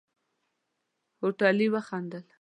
هوټلي وخندل.